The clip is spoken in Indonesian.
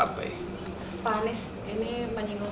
aglomerasi ini akan dibentuk